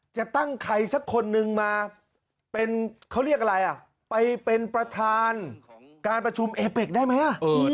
จะตั้งใครสักคนนึงมาเป็นเขาเรียกอะไรอ่ะไปเป็นประธานการประชุมเอเป็กได้ไหม